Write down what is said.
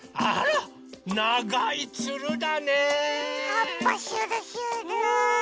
はっぱしゅるしゅる。